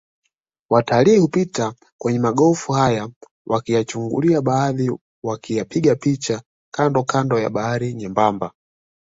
Watalii hupita kwenye magofu haya wakiyachungulia baadhi wakiyapiga picha kandokando ya barabara nyembamba